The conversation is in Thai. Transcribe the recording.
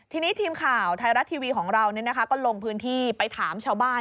ทีนี้ทีมข่าวไทยรัฐทีวีของเราก็ลงพื้นที่ไปถามชาวบ้าน